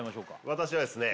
私はですね